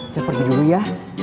saya pergi dulu ya